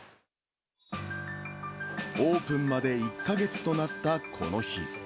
オープンまで１か月となったこの日。